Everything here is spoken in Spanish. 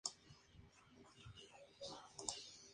Se encuentra al sur-suroeste del prominente cráter Colombo.